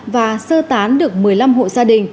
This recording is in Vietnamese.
và sơ tán được một mươi năm hộ gia đình